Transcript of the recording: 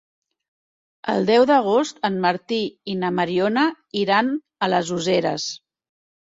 El deu d'agost en Martí i na Mariona iran a les Useres.